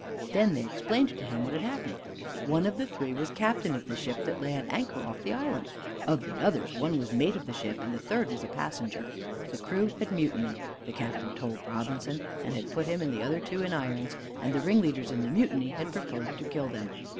Then they explained to him what had happened. One of the three was Captain of the ship that lay at anchor off the island. Of the others, one was mate of the ship, and the third man was a passenger. The crew had mutinied, the Captain told Robinson, and had put him and the other two in irons, and the ringleaders in the mutiny had proposed to kill them.